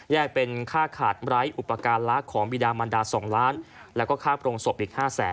แยกเป็นค่าขาดไร้อุปการณ์ลักษณ์ของวีดามันดา๒ล้านแล้วก็ค่าโปรงศพอีก๕๐๐๐๐๐